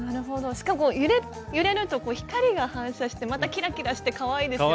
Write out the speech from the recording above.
しかも揺れると光が反射してまたキラキラしてかわいいですね。